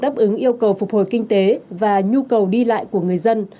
đáp ứng yêu cầu phục hồi kinh tế và nhu cầu đi lại của người dân